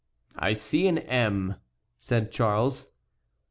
"I see an 'M,'" said Charles.